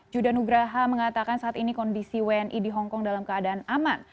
judanugraha mengatakan saat ini kondisi wni di hongkong dalam keadaan aman